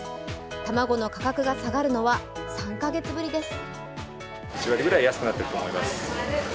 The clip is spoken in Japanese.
卵の価格が下がるのは３か月ぶりです。